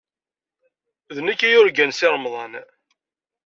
D nekk ay yurgan Si Remḍan.